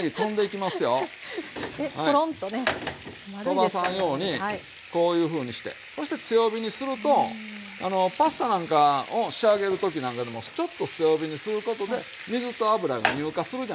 飛ばさんようにこういうふうにしてそして強火にするとパスタなんかを仕上げる時なんかでもちょっと強火にすることで水と油が乳化するじゃないですか。